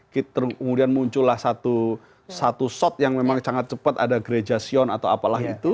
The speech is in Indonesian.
kemudian muncullah satu shot yang memang sangat cepat ada gereja sion atau apalah itu